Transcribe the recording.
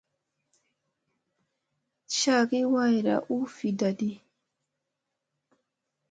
Cagi wayɗa u viɗta di.